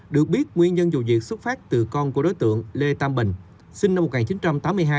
được biết nguyên nhân vụ việc xuất phát từ con của đối tượng lê tam bình sinh năm một nghìn chín trăm tám mươi hai